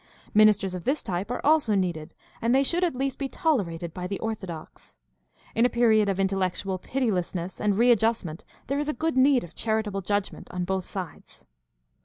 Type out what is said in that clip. Ministers of this type are also needed; and they should at least be tolerated by the ''orthodox." In a period of intellectual pitilessness and readjustment there is good need of charitable judgment on both sides.